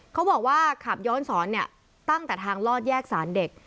เขาบอกว่าขับโยนสอนตั้งแต่ทางลอดแยกศาลเด็ก